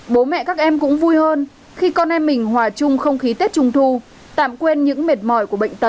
bố mẹ các em cũng vui hơn khi con em mình hòa chung không khí tết trung thu tạm quên những mệt mỏi của bệnh tật